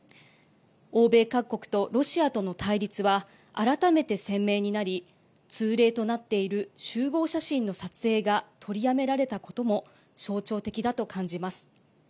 欧米各国とロシアとの対立は改めて鮮明になり通例となっている集合写真の撮影が取りやめられたことも象徴的だと感じます。